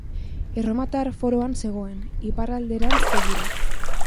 Erromatar foroan zegoen, iparralderantz begira.